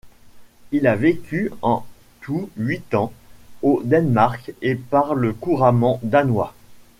Il a vécu en tout huit ans au Danemark et parle couramment danois.